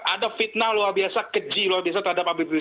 ada fitnah luar biasa keji luar biasa terhadap hpb